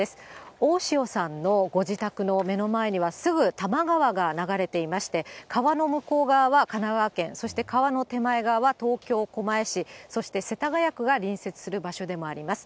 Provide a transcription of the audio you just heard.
大塩さんのご自宅の目の前には、すぐ多摩川が流れていまして、川の向こう側は神奈川県、そして川の手前側は東京・狛江市、そして世田谷区が隣接する場所でもあります。